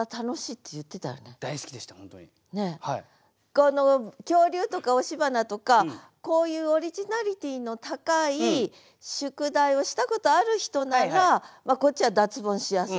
この「恐竜」とか「押し花」とかこういうオリジナリティーの高い宿題をしたことある人ならこっちは脱ボンしやすいと。